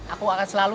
aku akan selalu